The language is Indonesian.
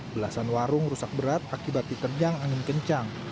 belasan warung rusak berat akibat diterjang angin kencang